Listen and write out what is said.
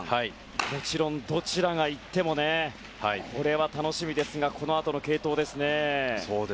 もちろんどちらがいっても楽しみですがこのあとの継投ですね。